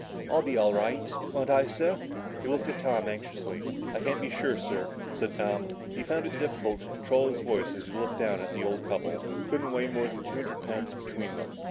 I'll be all right. Won't I, sir?" He looked at Tom anxiously. "I can't be sure, sir," said Tom. He found it difficult to control his voice as he looked down at the old couple, who couldn't weigh more than two hundred pounds between them.